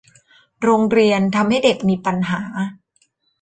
โรงเรียนทำให้เด็กมีปัญหา